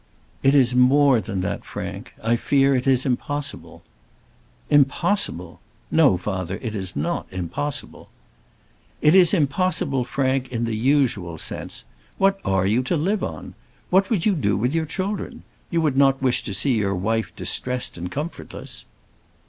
"It is more than that, Frank; I fear it is impossible." "Impossible! No, father; it is not impossible." "It is impossible, Frank, in the usual sense. What are you to live upon? What would you do with your children? You would not wish to see your wife distressed and comfortless."